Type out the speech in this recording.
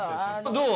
どう？